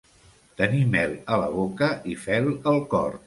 Tenir mel a la boca i fel al cor.